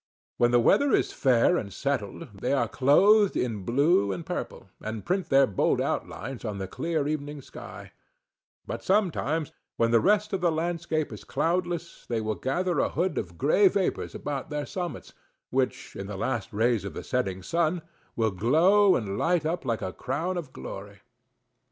When the weather is fair and settled, they are clothed in blue and purple, and print their bold outlines on the clear evening sky; but, sometimes, when the rest of the landscape is cloudless, they will gather a hood of gray vapors about their summits, which, in the last rays of the setting sun, will glow and light up like a crown of glory.